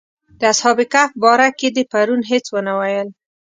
د اصحاب کهف باره کې دې پرون هېڅ ونه ویل.